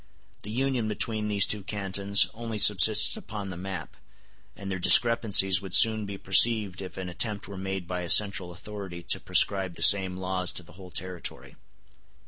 The union between these two cantons only subsists upon the map, and their discrepancies would soon be perceived if an attempt were made by a central authority to prescribe the same laws to the whole territory.